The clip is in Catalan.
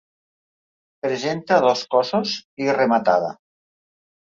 Presenta dos cossos i rematada.